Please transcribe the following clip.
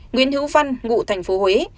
nguyễn hữu văn ngụ thành phố huế